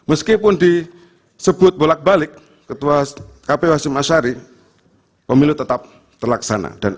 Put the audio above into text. although di sebut bolak balik setuas maaf for losing ashari pemilu tetap terlaksana dan